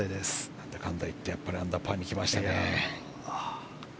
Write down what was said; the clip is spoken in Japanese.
何だかんだいってアンダーパーに来ましたね。